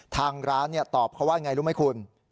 ทางร้านตอบเขาว่าอย่างไรรู้ไหมคุณ